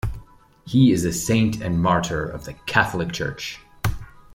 He is a saint and martyr of the Catholic Church.